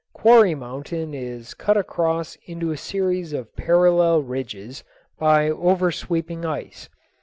Quarry Mountain is cut across into a series of parallel ridges by oversweeping ice.